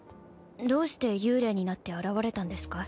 どうして幽霊になって現れたんですか？